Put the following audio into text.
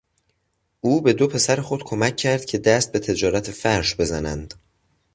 او به دو پسر خود کمک کرد که دست به تجارت فرش بزنند.